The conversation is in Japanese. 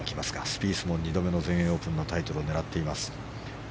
スピースも２度目の全英オープンタイトルを狙っています。